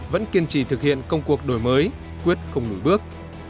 vẫn kiên trì thực hiện công cuộc đổi mới quyết không lùi bước